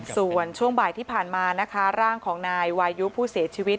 ส่วนช่วงบ่ายที่ผ่านมานะคะร่างของนายวายุผู้เสียชีวิต